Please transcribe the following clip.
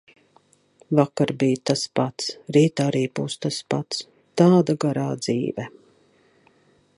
Vakar bija tas pats, rīt arī būs tas pats. tāda garā dzīve.